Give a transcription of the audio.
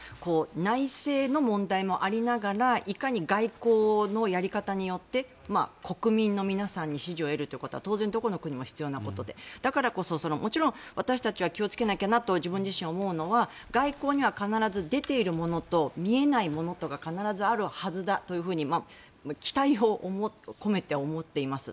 内政の問題もありながらいかに外交のやり方によって国民の皆さんに支持を得るということは当然どこの国も必要なことでだからこそもちろん私たちが気をつけなきゃなと自分自身思うのは外交には必ず出ているものと見えないものが必ずあるはずだと期待を込めて思っています。